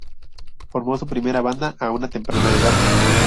Formó su primera banda a una temprana edad.